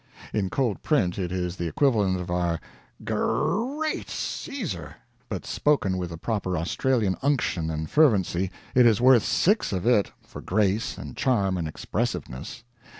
In cold print it is the equivalent of our "Ger rreat Caesar!" but spoken with the proper Australian unction and fervency, it is worth six of it for grace and charm and expressiveness.